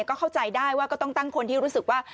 ก็เข้าใจได้ว่าก็ต้องตั้งคนที่รู้สึกว่า